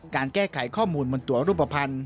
การแก้ไขข้อมูลบนตัวรูปภัณฑ์